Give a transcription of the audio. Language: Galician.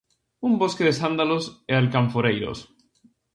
Un bosque de sándalos e alcanforeiros.